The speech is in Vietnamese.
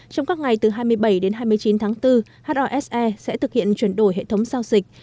trong các ngày từ hai mươi bảy đến hai mươi chín tháng bốn hose sẽ thực hiện chuyển đổi hệ thống giao dịch